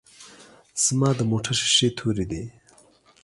ځما دموټر شیشی توری دی.